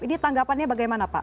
ini tanggapannya bagaimana pak